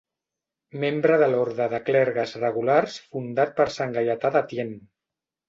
Membre de l'orde de clergues regulars fundat per sant Gaietà de Thiene.